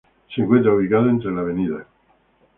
Se encuentra ubicado entre la Av.